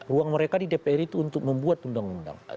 ruang mereka di dpr itu untuk membuat undang undang